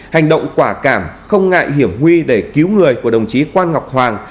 hành động quả cảm không ngại hiểm huy để cứu người của đồng chí quang ngọc hoàng